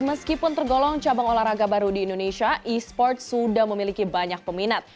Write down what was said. meskipun tergolong cabang olahraga baru di indonesia e sports sudah memiliki banyak peminat